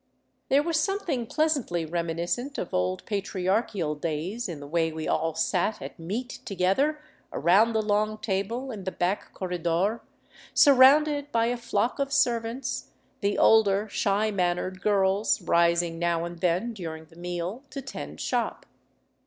There was something pleasantly reminiscent of old patriarchial days in the way 377 VAGABONDING DOWN THE ANDES we all sat at meat together around the long table in the back corredor, surrounded by a flock of servants, the older, shy mannered girls rising now and then during the meal to tend shop.